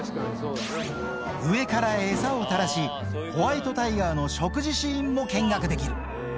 上から餌を垂らし、ホワイトタイガーの食事シーンも見学できる。